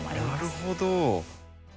なるほど。